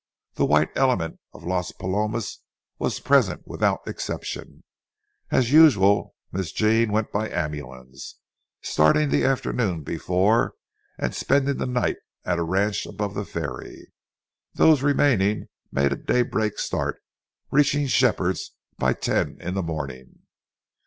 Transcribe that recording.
The white element of Las Palomas was present without an exception. As usual, Miss Jean went by ambulance, starting the afternoon before and spending the night at a ranch above the ferry. Those remaining made a daybreak start, reaching Shepherd's by ten in the morning.